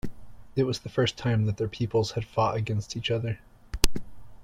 It was the first time that their peoples had fought against each other.